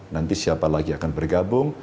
nanti siapa lagi akan bergabung